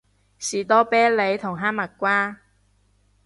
士多啤梨同哈蜜瓜